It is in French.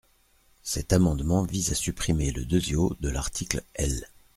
Cet amendement vise à supprimer le deux° de l’article L.